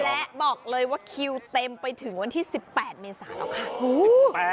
และบอกเลยว่าคิวเต็มไปถึงวันที่๑๘เมษาแล้วค่ะ